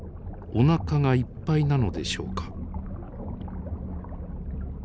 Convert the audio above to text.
おなかがいっぱいなのでしょうか。